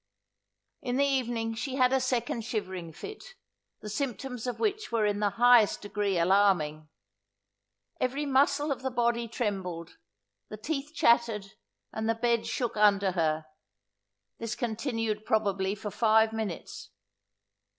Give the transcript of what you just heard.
In the evening she had a second shivering fit, the symptoms of which were in the highest degree alarming. Every muscle of the body trembled, the teeth chattered, and the bed shook under her. This continued probably for five minutes.